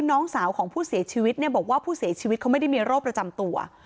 น้องสาวของผู้เสียชีวิตเนี่ยบอกว่าผู้เสียชีวิตเขาไม่ได้มีโรคประจำตัว